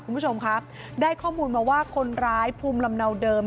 คุณผู้ชมครับได้ข้อมูลมาว่าคนร้ายภูมิลำเนาเดิม